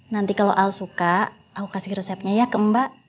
nanti kalau al suka aku kasih resepnya ya ke mbak